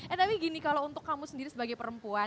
eh tapi gini kalau untuk kamu sendiri sebagai perempuan